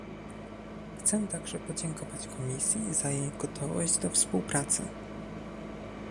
Chcę także podziękować Komisji za jej gotowość do współpracy